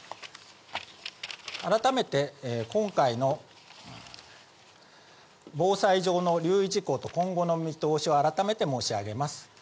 改めて、今回の防災上の留意事項と今後の見通しを、改めて申し上げます。